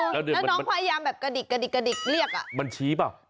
แล้วน้องพยายามแบบกระดิกเรียกอ่ะเอ่อบัญชีเปล่า